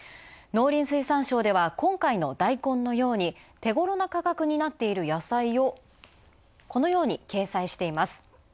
農林水産省では、今回のダイコンのように手ごろな価格になつている野菜をこのように掲載しています。